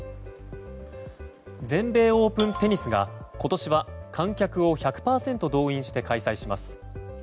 全米オープンテニスが今年は観客を１００％動員して開催します。